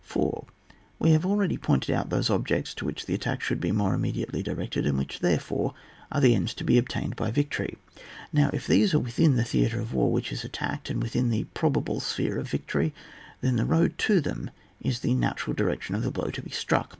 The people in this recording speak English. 4. We have already pointed out those objects to which the attack should be more immediately directed, and which, therefore, are the ends to be obtained by victory ; now, if these are within the theatre of war which is attacked, and within the probable sphere of victory, then the road to them is the natural di rection of the blow to be struck.